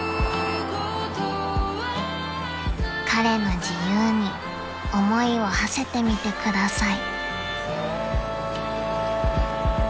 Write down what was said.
［彼の自由に思いをはせてみてください］